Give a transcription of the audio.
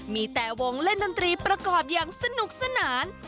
มีแต่วงเล่นดนตรีประกอบอย่างสนุกสนาน